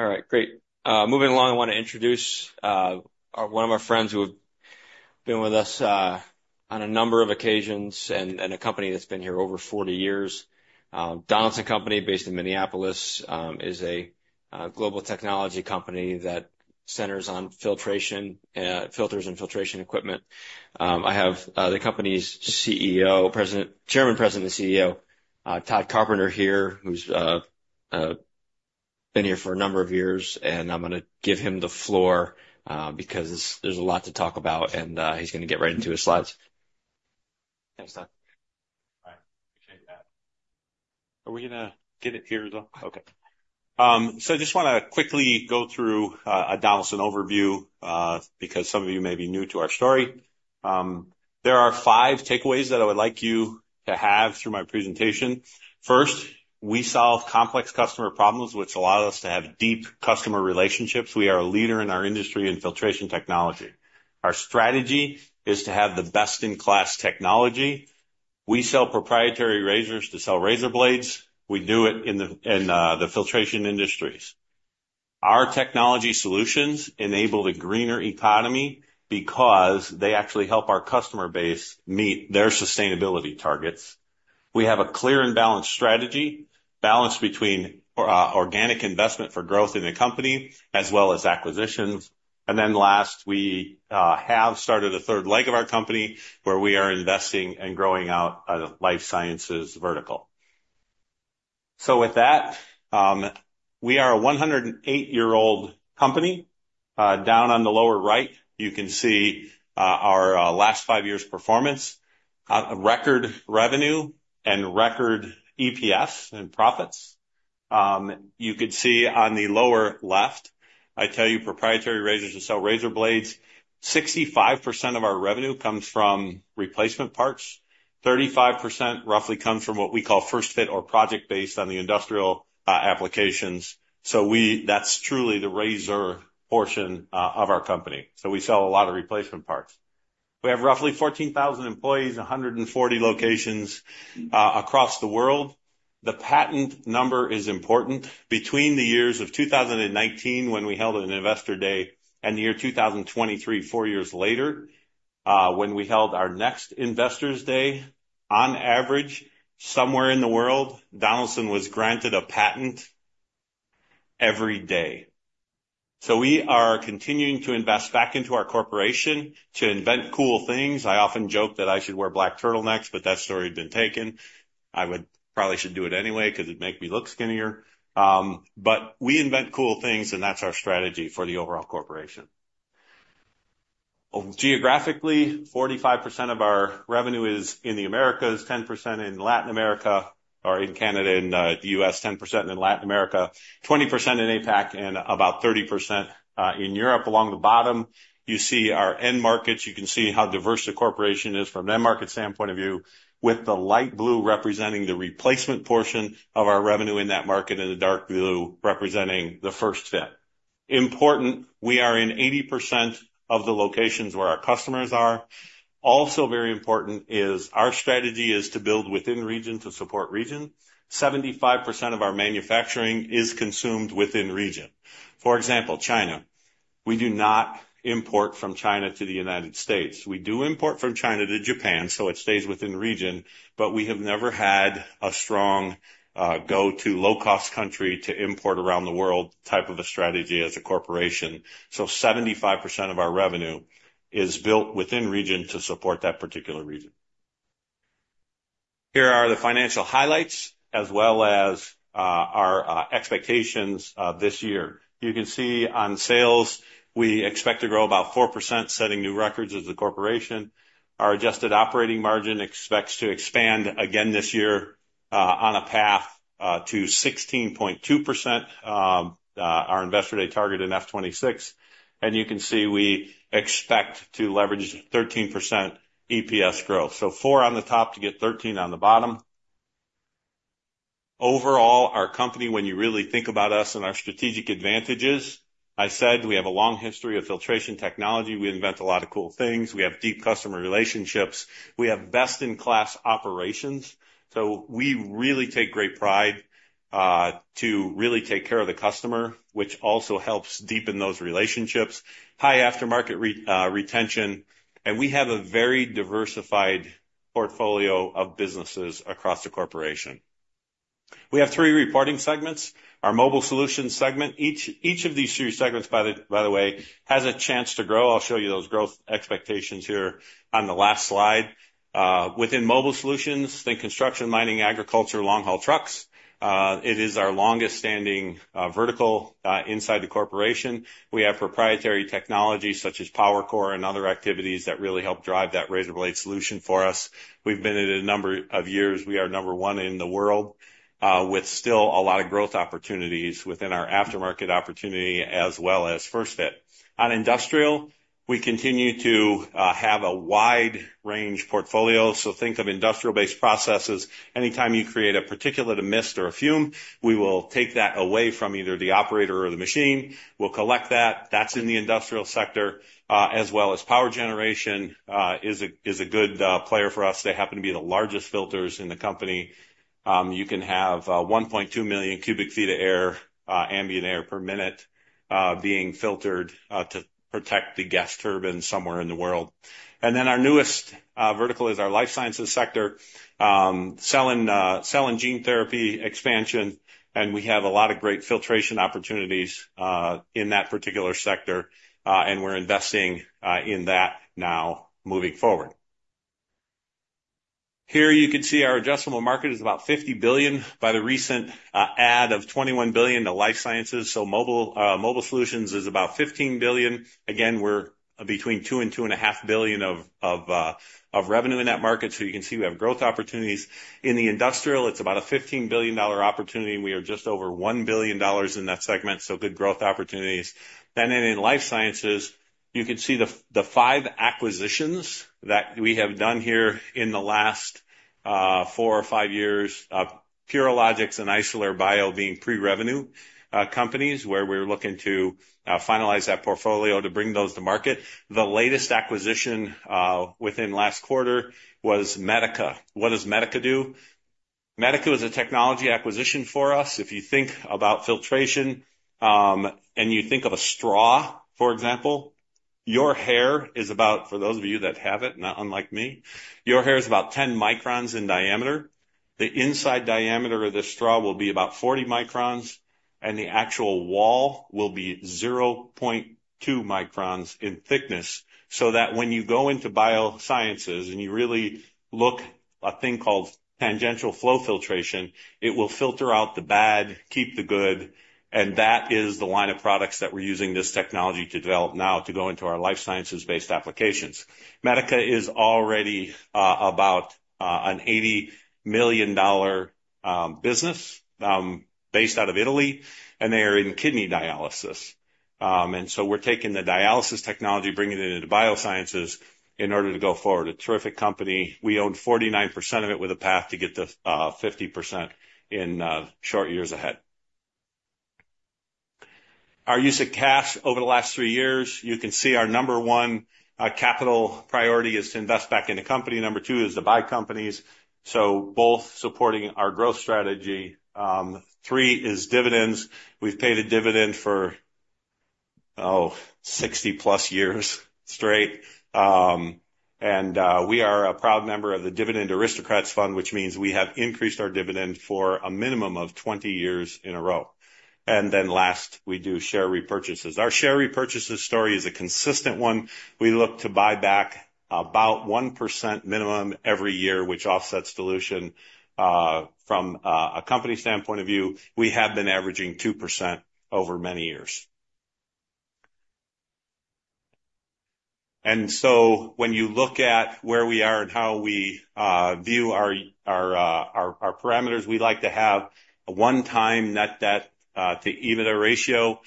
All right. Great. Moving along, I want to introduce one of our friends who have been with us on a number of occasions and a company that's been here over 40 years. Donaldson Company, based in Minneapolis, is a global technology company that centers on filters and filtration equipment. I have the company's Chairman, President, and CEO, Tod Carpenter here, who's been here for a number of years. And I'm going to give him the floor because there's a lot to talk about, and he's going to get right into his slides. Thanks, Tod. All right. Appreciate that. Are we going to get it here as well? Okay. So I just want to quickly go through a Donaldson overview because some of you may be new to our story. There are five takeaways that I would like you to have through my presentation. First, we solve complex customer problems, which allows us to have deep customer relationships. We are a leader in our industry in filtration technology. Our strategy is to have the best-in-class technology. We sell proprietary razors to sell razor blades. We do it in the filtration industries. Our technology solutions enable a greener economy because they actually help our customer base meet their sustainability targets. We have a clear and balanced strategy, balanced between organic investment for growth in the company as well as acquisitions. And then last, we have started a third leg of our company where we are investing and growing out a life sciences vertical. So with that, we are a 108-year-old company. Down on the lower right, you can see our last five years' performance, record revenue, and record EPS and profits. You could see on the lower left, I tell you, proprietary razors to sell razor blades. 65% of our revenue comes from replacement parts. 35% roughly comes from what we call first fit or project-based on the industrial applications. So that's truly the razor portion of our company. So we sell a lot of replacement parts. We have roughly 14,000 employees, 140 locations across the world. The patent number is important. Between the years of 2019, when we held an investor day, and the year 2023, four years later, when we held our next investors' day, on average, somewhere in the world, Donaldson was granted a patent every day, so we are continuing to invest back into our corporation to invent cool things. I often joke that I should wear black turtlenecks, but that story had been taken. I probably should do it anyway because it'd make me look skinnier, but we invent cool things, and that's our strategy for the overall corporation. Geographically, 45% of our revenue is in the Americas, 10% in Latin America, 20% in APAC, and about 30% in Europe. Along the bottom, you see our end markets. You can see how diverse the corporation is from an end market standpoint of view, with the light blue representing the replacement portion of our revenue in that market and the dark blue representing the first fit. Important, we are in 80% of the locations where our customers are. Also very important is our strategy is to build within region to support region. 75% of our manufacturing is consumed within region. For example, China. We do not import from China to the United States. We do import from China to Japan, so it stays within region, but we have never had a strong go-to low-cost country to import around the world type of a strategy as a corporation. So 75% of our revenue is built within region to support that particular region. Here are the financial highlights as well as our expectations this year. You can see on sales, we expect to grow about 4%, setting new records as a corporation. Our adjusted operating margin expects to expand again this year on a path to 16.2%. Our investor day target in F26. And you can see we expect to leverage 13% EPS growth. So four on the top to get 13 on the bottom. Overall, our company, when you really think about us and our strategic advantages, I said we have a long history of filtration technology. We invent a lot of cool things. We have deep customer relationships. We have best-in-class operations. So we really take great pride to really take care of the customer, which also helps deepen those relationships. High aftermarket retention. And we have a very diversified portfolio of businesses across the corporation. We have three reporting segments. Our mobile solutions segment, each of these three segments, by the way, has a chance to grow. I'll show you those growth expectations here on the last slide. Within mobile solutions, think construction, mining, agriculture, long-haul trucks. It is our longest-standing vertical inside the corporation. We have proprietary technology such as PowerCore and other activities that really help drive that razor blade solution for us. We've been at a number of years. We are number one in the world with still a lot of growth opportunities within our aftermarket opportunity as well as first fit. On industrial, we continue to have a wide-range portfolio. So think of industrial-based processes. Anytime you create a particulate of mist or a fume, we will take that away from either the operator or the machine. We'll collect that. That's in the industrial sector, as well as power generation is a good player for us. They happen to be the largest filters in the company. You can have 1.2 million cu ft of ambient air per minute being filtered to protect the gas turbine somewhere in the world. Our newest vertical is our life sciences sector, cell and gene therapy expansion. We have a lot of great filtration opportunities in that particular sector. We're investing in that now moving forward. Here you can see our addressable market is about $50 billion via the recent addition of $21 billion to life sciences. Mobile solutions is about $15 billion. Again, we're between $2 billion and $2.5 billion of revenue in that market. You can see we have growth opportunities. In the industrial, it's about a $15 billion opportunity. We are just over $1 billion in that segment. Good growth opportunities. Then in life sciences, you can see the five acquisitions that we have done here in the last four or five years, Purilogics and Isolere Bio being pre-revenue companies where we're looking to finalize that portfolio to bring those to market. The latest acquisition within last quarter was Medica. What does Medica do? Medica was a technology acquisition for us. If you think about filtration and you think of a straw, for example, your hair is about, for those of you that have it, not unlike me, your hair is about 10 microns in diameter. The inside diameter of the straw will be about 40 microns, and the actual wall will be 0.2 microns in thickness. So that when you go into biosciences and you really look at a thing called tangential flow filtration, it will filter out the bad, keep the good. That is the line of products that we're using this technology to develop now to go into our life sciences-based applications. Medica is already about an $80 million business based out of Italy, and they are in kidney dialysis. So we're taking the dialysis technology, bringing it into biosciences in order to go forward. A terrific company. We own 49% of it with a path to get to 50% in short years ahead. Our use of cash over the last three years, you can see our number one capital priority is to invest back in the company. Number two is to buy companies. So both supporting our growth strategy. Three is dividends. We've paid a dividend for, oh, 60+years straight. We are a proud member of the Dividend Aristocrats Fund, which means we have increased our dividend for a minimum of 20 years in a row. And then last, we do share repurchases. Our share repurchases story is a consistent one. We look to buy back about 1% minimum every year, which offsets dilution. From a company standpoint of view, we have been averaging 2% over many years. And so when you look at where we are and how we view our parameters, we like to have a one-time net debt to EBITDA ratio.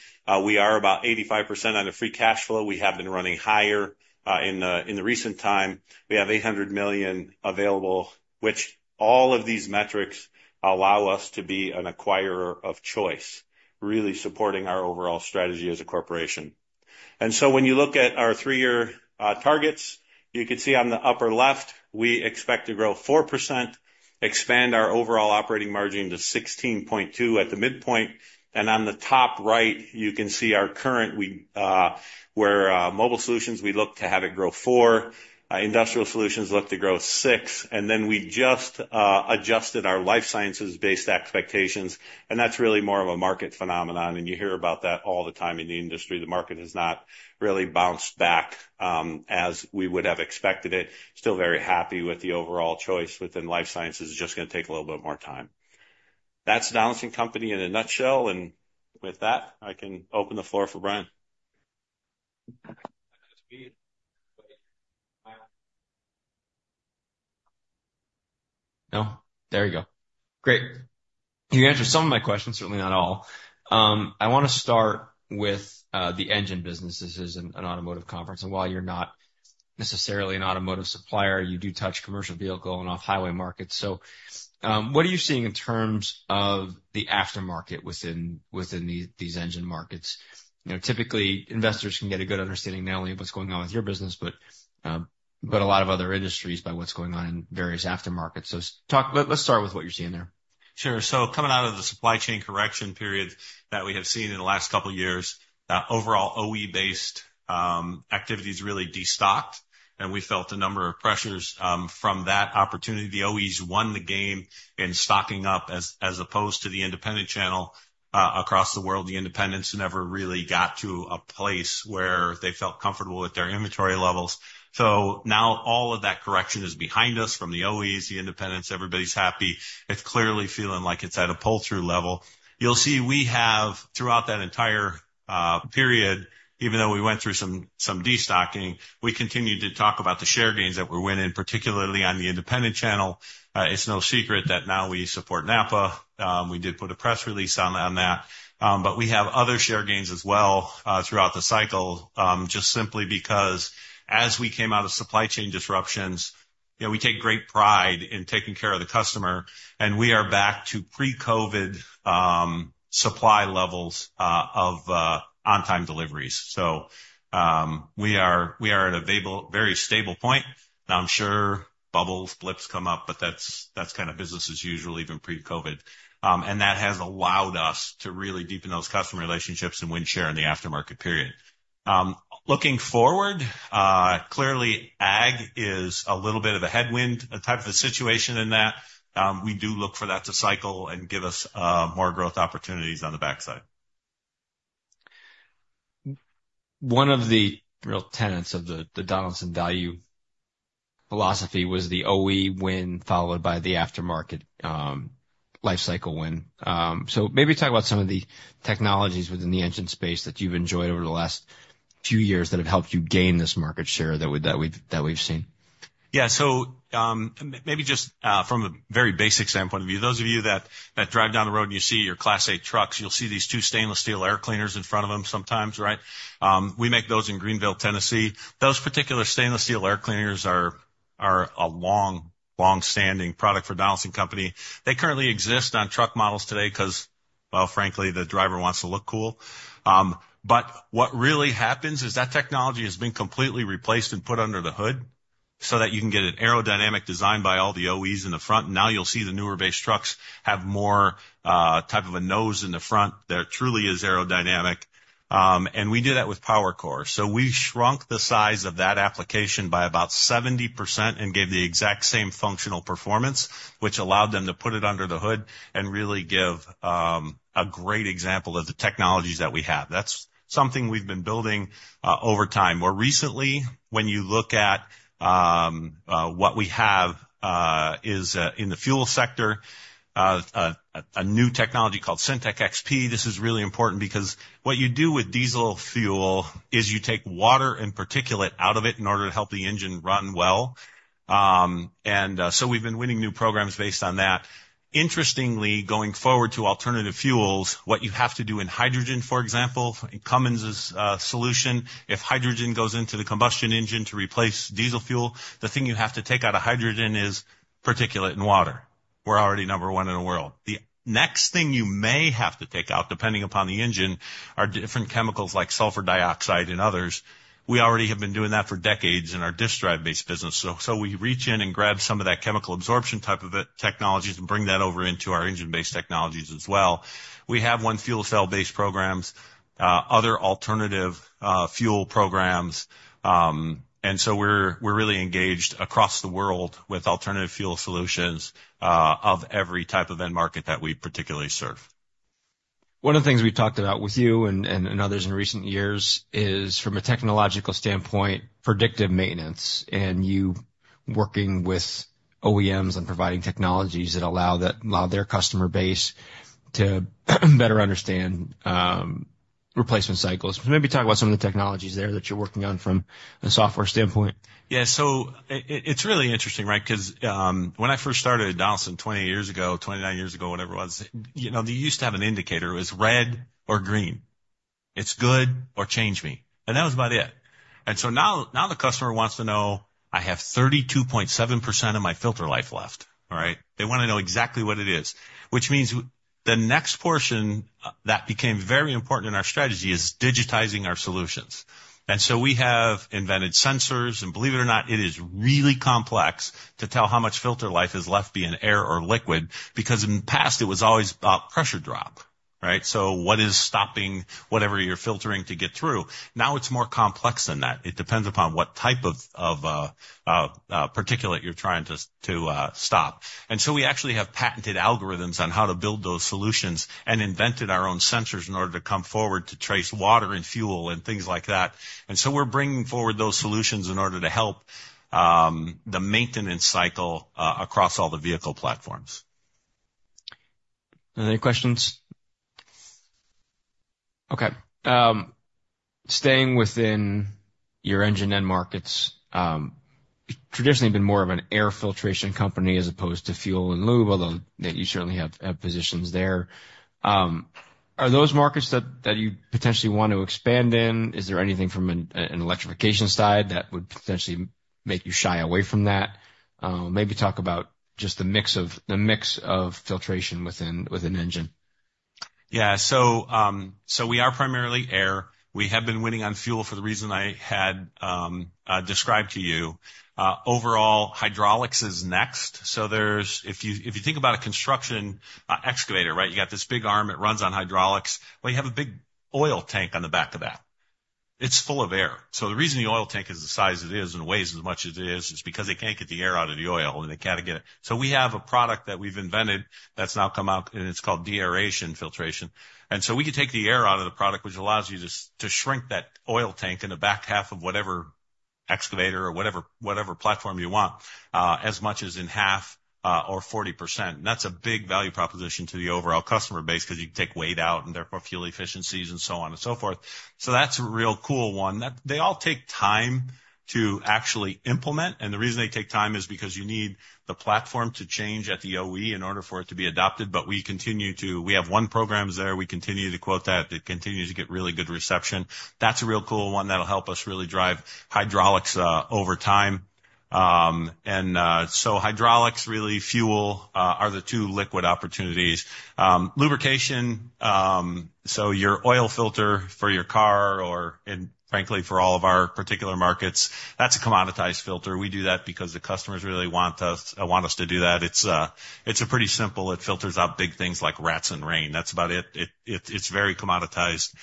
We are about 85% on a free cash flow. We have been running higher in the recent time. We have $800 million available, which all of these metrics allow us to be an acquirer of choice, really supporting our overall strategy as a corporation. And so when you look at our three-year targets, you can see on the upper left, we expect to grow 4%, expand our overall operating margin to 16.2 at the midpoint. On the top right, you can see our current, where mobile solutions, we look to have it grow 4%. Industrial solutions look to grow 6%. And then we just adjusted our life sciences-based expectations. And that's really more of a market phenomenon. And you hear about that all the time in the industry. The market has not really bounced back as we would have expected it. Still very happy with the overall choice within life sciences. It's just going to take a little bit more time. That's Donaldson Company in a nutshell. And with that, I can open the floor for Brian. No. There you go. Great. You answered some of my questions, certainly not all. I want to start with the engine business. This is an automotive conference. And while you're not necessarily an automotive supplier, you do touch commercial vehicle and off-highway markets. So what are you seeing in terms of the aftermarket within these engine markets? Typically, investors can get a good understanding not only of what's going on with your business, but a lot of other industries by what's going on in various aftermarkets. So let's start with what you're seeing there. Sure. So coming out of the supply chain correction period that we have seen in the last couple of years, overall OE-based activities really de-stocked. And we felt a number of pressures from that opportunity. The OEs won the game in stocking up as opposed to the independent channel across the world. The independents never really got to a place where they felt comfortable with their inventory levels. So now all of that correction is behind us from the OEs, the independents. Everybody's happy. It's clearly feeling like it's at a pull-through level. You'll see we have throughout that entire period, even though we went through some de-stocking, we continued to talk about the share gains that we're winning, particularly on the independent channel. It's no secret that now we support NAPA. We did put a press release on that. But we have other share gains as well throughout the cycle, just simply because as we came out of supply chain disruptions, we take great pride in taking care of the customer. And we are back to pre-COVID supply levels of on-time deliveries. So we are at a very stable point. Now, I'm sure bubbles, blips come up, but that's kind of business as usual, even pre-COVID. And that has allowed us to really deepen those customer relationships and win share in the aftermarket period. Looking forward, clearly ag is a little bit of a headwind type of a situation in that. We do look for that to cycle and give us more growth opportunities on the backside. One of the real tenets of the Donaldson value philosophy was the OE win followed by the aftermarket life cycle win, so maybe talk about some of the technologies within the engine space that you've enjoyed over the last few years that have helped you gain this market share that we've seen. Yeah. So maybe just from a very basic standpoint of view, those of you that drive down the road and you see your Class A trucks, you'll see these two stainless steel air cleaners in front of them sometimes, right? We make those in Greeneville, Tennessee. Those particular stainless steel air cleaners are a long-standing product for Donaldson Company. They currently exist on truck models today because, well, frankly, the driver wants to look cool. But what really happens is that technology has been completely replaced and put under the hood so that you can get an aerodynamic design by all the OEs in the front. Now you'll see the newer-based trucks have more type of a nose in the front. There truly is aerodynamic. And we did that with PowerCore. So we shrunk the size of that application by about 70% and gave the exact same functional performance, which allowed them to put it under the hood and really give a great example of the technologies that we have. That's something we've been building over time. More recently, when you look at what we have in the fuel sector, a new technology called Synteq XP. This is really important because what you do with diesel fuel is you take water and particulate out of it in order to help the engine run well. And so we've been winning new programs based on that. Interestingly, going forward to alternative fuels, what you have to do in hydrogen, for example, in Cummins' solution, if hydrogen goes into the combustion engine to replace diesel fuel, the thing you have to take out of hydrogen is particulate and water. We're already number one in the world. The next thing you may have to take out, depending upon the engine, are different chemicals like sulfur dioxide and others. We already have been doing that for decades in our disc drive-based business. So we reach in and grab some of that chemical absorption type of technologies and bring that over into our engine-based technologies as well. We have one fuel cell-based programs, other alternative fuel programs. And so we're really engaged across the world with alternative fuel solutions of every type of end market that we particularly serve. One of the things we've talked about with you and others in recent years is, from a technological standpoint, predictive maintenance and you working with OEMs and providing technologies that allow their customer base to better understand replacement cycles. Maybe talk about some of the technologies there that you're working on from a software standpoint. Yeah. So it's really interesting, right? Because when I first started at Donaldson 20 years ago, 29 years ago, whatever it was, they used to have an indicator. It was red or green. It's good or change me. And that was about it. And so now the customer wants to know, "I have 32.7% of my filter life left." All right? They want to know exactly what it is, which means the next portion that became very important in our strategy is digitizing our solutions. And so we have invented sensors. And believe it or not, it is really complex to tell how much filter life is left being air or liquid because in the past, it was always about pressure drop, right? So what is stopping whatever you're filtering to get through? Now it's more complex than that. It depends upon what type of particulate you're trying to stop. And so we actually have patented algorithms on how to build those solutions and invented our own sensors in order to come forward to trace water and fuel and things like that. And so we're bringing forward those solutions in order to help the maintenance cycle across all the vehicle platforms. Any questions? Okay. Staying within your engine end markets, traditionally been more of an air filtration company as opposed to fuel and lube, although you certainly have positions there. Are those markets that you potentially want to expand in? Is there anything from an electrification side that would potentially make you shy away from that? Maybe talk about just the mix of filtration within an engine. Yeah. So we are primarily air. We have been winning on fuel for the reason I had described to you. Overall, hydraulics is next. So if you think about a construction excavator, right? You got this big arm. It runs on hydraulics. Well, you have a big oil tank on the back of that. It's full of air. So the reason the oil tank is the size it is and weighs as much as it is is because they can't get the air out of the oil, and they got to get it. So we have a product that we've invented that's now come out, and it's called de-aeration filtration. And so we can take the air out of the product, which allows you to shrink that oil tank in the back half of whatever excavator or whatever platform you want as much as in half or 40%. And that's a big value proposition to the overall customer base because you can take weight out and therefore fuel efficiencies and so on and so forth. So that's a real cool one. They all take time to actually implement. And the reason they take time is because you need the platform to change at the OE in order for it to be adopted. But we continue to have ongoing programs there. We continue to quote that. It continues to get really good reception. That's a real cool one that'll help us really drive hydraulics over time. And so hydraulics, really, fuel are the two liquid opportunities. Lubrication, so your oil filter for your car or, frankly, for all of our particular markets, that's a commoditized filter. We do that because the customers really want us to do that. It's pretty simple. It filters out big things like rats and rain. That's about it. It's very commoditized,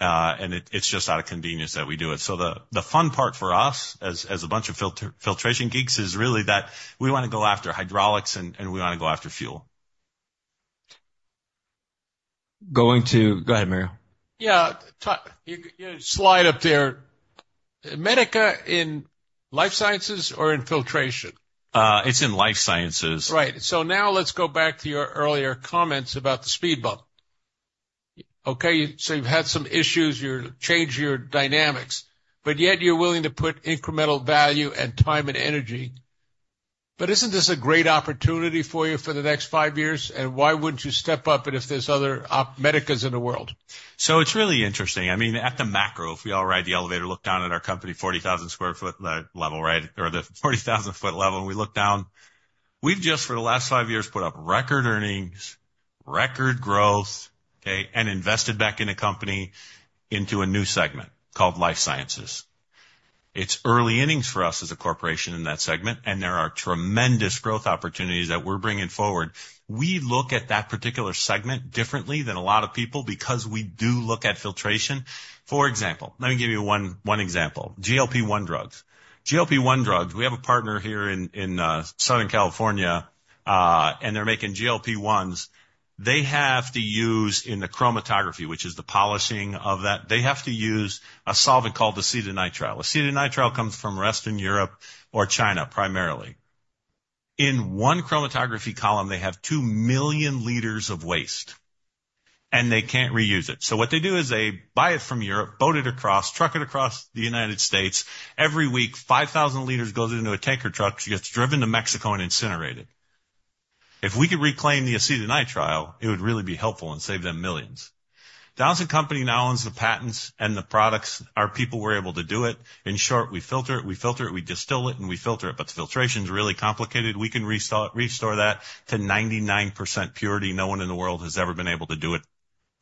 and it's just out of convenience that we do it, so the fun part for us as a bunch of filtration geeks is really that we want to go after hydraulics, and we want to go after fuel. Going to go ahead, Mario. Yeah. Slide up there. Medica in life sciences or in filtration? It's in life sciences. Right. So now let's go back to your earlier comments about the speed bump. Okay. So you've had some issues. You're changing your dynamics, but yet you're willing to put incremental value and time and energy. But isn't this a great opportunity for you for the next five years? And why wouldn't you step up if there's other Medicas in the world? It's really interesting. I mean, at the macro, if we all ride the elevator, look down at our company, 40,000 sq ft level, right, or the 40,000-foot level, and we look down, we've just, for the last five years, put up record earnings, record growth, okay, and invested back in a company into a new segment called life sciences. It's early innings for us as a corporation in that segment, and there are tremendous growth opportunities that we're bringing forward. We look at that particular segment differently than a lot of people because we do look at filtration. For example, let me give you one example. GLP-1 drugs. GLP-1 drugs, we have a partner here in Southern California, and they're making GLP-1s. They have to use in the chromatography, which is the polishing of that, they have to use a solvent called acetonitrile. Acetonitrile comes from Western Europe or China primarily. In one chromatography column, they have 2 million liters of waste, and they can't reuse it. So what they do is they buy it from Europe, boat it across, truck it across the United States. Every week, 5,000 liters goes into a tanker truck, gets driven to Mexico, and incinerated. If we could reclaim the acetonitrile, it would really be helpful and save them millions. Donaldson Company now owns the patents, and the products are people were able to do it. In short, we filter it, we filter it, we distill it, and we filter it. But the filtration is really complicated. We can restore that to 99% purity. No one in the world has ever been able to do it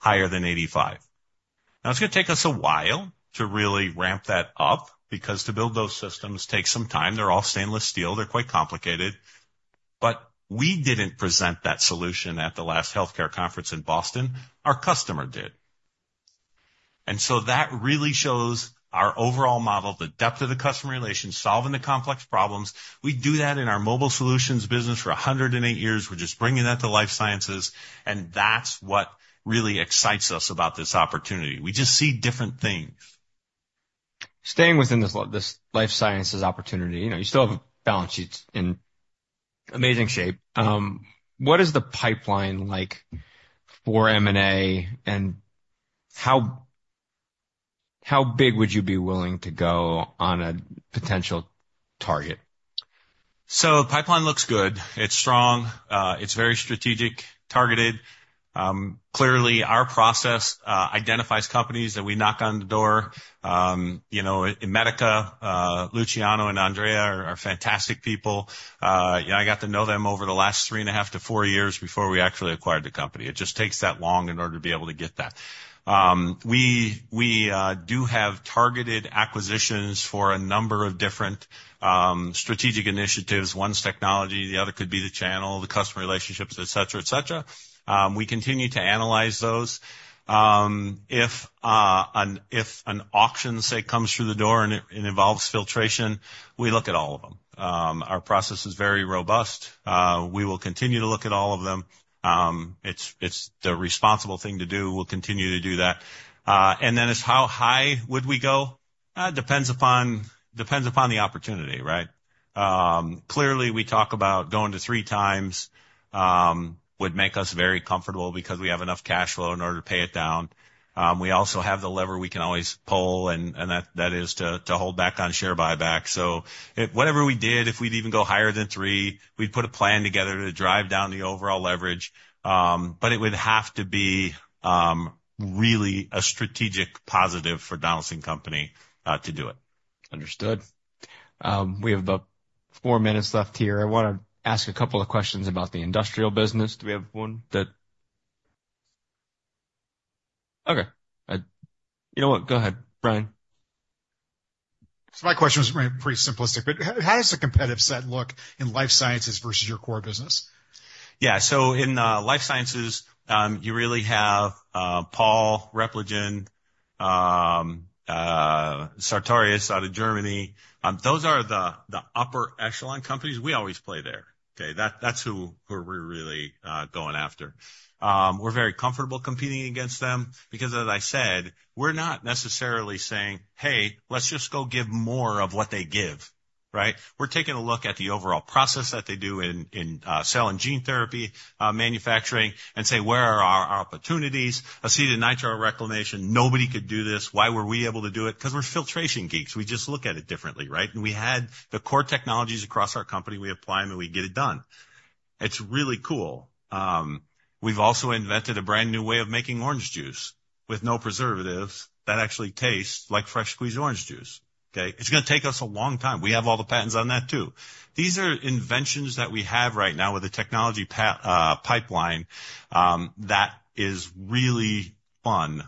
higher than 85%. Now, it's going to take us a while to really ramp that up because to build those systems takes some time. They're all stainless steel. They're quite complicated. But we didn't present that solution at the last healthcare conference in Boston. Our customer did. And so that really shows our overall model, the depth of the customer relations, solving the complex problems. We do that in our mobile solutions business for 108 years. We're just bringing that to life sciences. And that's what really excites us about this opportunity. We just see different things. Staying within this life sciences opportunity, you still have a balance sheet in amazing shape. What is the pipeline like for M&A, and how big would you be willing to go on a potential target? So the pipeline looks good. It's strong. It's very strategic, targeted. Clearly, our process identifies companies that we knock on the door. In Medica, Luciano and Andrea are fantastic people. I got to know them over the last three and a half to four years before we actually acquired the company. It just takes that long in order to be able to get that. We do have targeted acquisitions for a number of different strategic initiatives. One's technology, the other could be the channel, the customer relationships, etc., etc. We continue to analyze those. If an auction, say, comes through the door and involves filtration, we look at all of them. Our process is very robust. We will continue to look at all of them. It's the responsible thing to do. We'll continue to do that. And then it's how high would we go? Depends upon the opportunity, right? Clearly, we talk about going to three times would make us very comfortable because we have enough cash flow in order to pay it down. We also have the lever we can always pull, and that is to hold back on share buyback. So whatever we did, if we'd even go higher than three, we'd put a plan together to drive down the overall leverage. But it would have to be really a strategic positive for Donaldson Company to do it. Understood. We have about four minutes left here. I want to ask a couple of questions about the industrial business. Do we have one? Okay. You know what? Go ahead, Brian. So my question was pretty simplistic, but how does the competitive set look in life sciences versus your core business? Yeah. So in life sciences, you really have Pall, Repligen, Sartorius out of Germany. Those are the upper echelon companies. We always play there. Okay? That's who we're really going after. We're very comfortable competing against them because, as I said, we're not necessarily saying, "Hey, let's just go give more of what they give," right? We're taking a look at the overall process that they do in cell and gene therapy manufacturing and say, "Where are our opportunities? Acetonitrile reclamation, nobody could do this. Why were we able to do it?" Because we're filtration geeks. We just look at it differently, right? And we had the core technologies across our company. We apply them, and we get it done. It's really cool. We've also invented a brand new way of making orange juice with no preservatives that actually tastes like fresh squeezed orange juice. Okay? It's going to take us a long time. We have all the patents on that too. These are inventions that we have right now with the technology pipeline that is really fun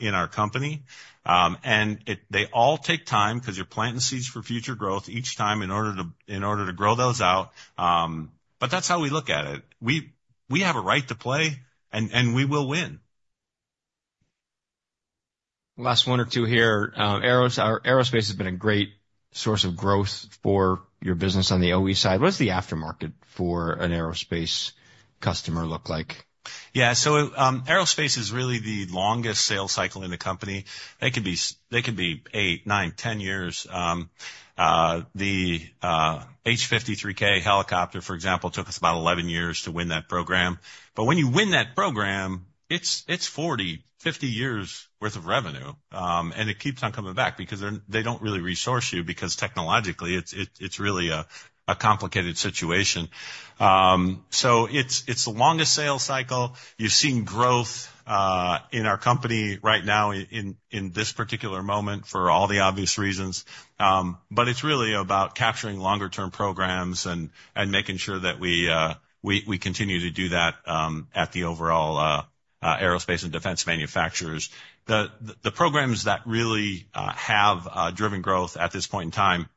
in our company, and they all take time because you're planting seeds for future growth each time in order to grow those out, but that's how we look at it. We have a right to play, and we will win. Last one or two here. Aerospace has been a great source of growth for your business on the OE side. What does the aftermarket for an aerospace customer look like? Yeah. So aerospace is really the longest sales cycle in the company. It could be eight, nine, 10 years. The H-53K helicopter, for example, took us about 11 years to win that program. But when you win that program, it's 40, 50 years' worth of revenue. And it keeps on coming back because they don't really resource you because technologically, it's really a complicated situation. So it's the longest sales cycle. You've seen growth in our company right now in this particular moment for all the obvious reasons. But it's really about capturing longer-term programs and making sure that we continue to do that at the overall aerospace and defense manufacturers. The programs that really have driven growth at this point in time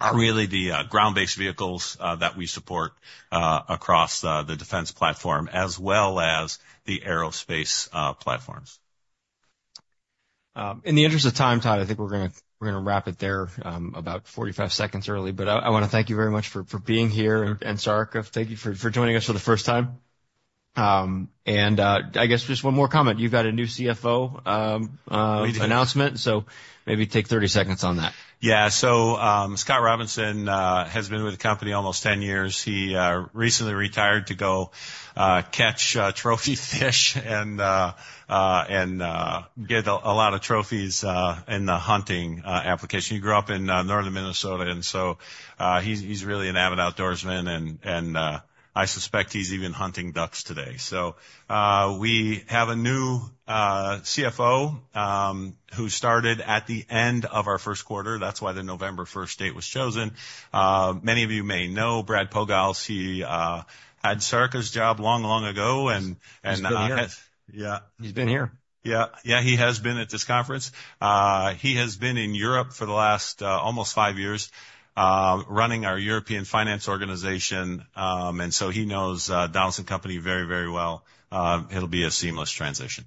are really the ground-based vehicles that we support across the defense platform as well as the aerospace platforms. In the interest of time, Tod, I think we're going to wrap it there about 45 seconds early. But I want to thank you very much for being here and Sarika. Thank you for joining us for the first time. And I guess just one more comment. You've got a new CFO announcement. So maybe take 30 seconds on that. Yeah. So Scott Robinson has been with the company almost 10 years. He recently retired to go catch trophy fish and get a lot of trophies in the hunting application. He grew up in Northern Minnesota. And so he's really an avid outdoorsman. And I suspect he's even hunting ducks today. So we have a new CFO who started at the end of our first quarter. That's why the November 1st date was chosen. Many of you may know Brad Pogalz. He had Sarika's job long, long ago and. He's been here. Yeah. He's been here. Yeah. Yeah. He has been at this conference. He has been in Europe for the last almost five years running our European finance organization. And so he knows Donaldson Company very, very well. It'll be a seamless transition.